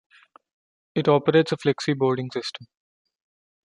It operates a flexi-boarding system.